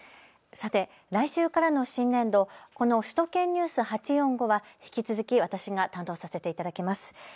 さて、来週からの新年度、この首都圏ニュース８４５は引き続き私が担当させていただきます。